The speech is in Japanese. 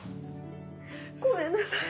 ごめんなさい。